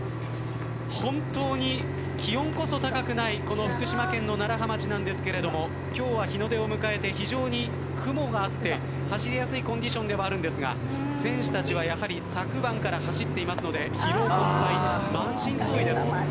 本当に気温こそ高くないこの福島県の楢葉町なんですけれども今日は日の出を迎えて非常に雲があって走りやすいコンディションでもあるんですが選手たちはやはり昨晩から走っていますので疲労困ぱい、満身創痍です。